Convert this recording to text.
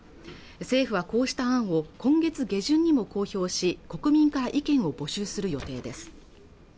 政府はこうした案を今月下旬にも公表し国民から意見を募集する予定です